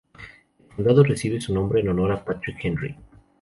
El condado recibe su nombre en honor a Patrick Henry.